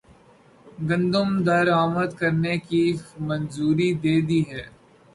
گندم درآمدکرنے کی منظوری دےدی ہے